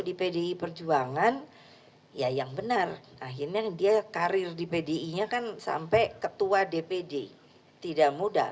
di pdi perjuangan ya yang benar akhirnya dia karir di pdi nya kan sampai ketua dpd tidak mudah